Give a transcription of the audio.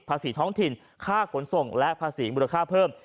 ภาษีท้องถิ่นค่าขนส่งและภาษีมูลค่าเพิ่ม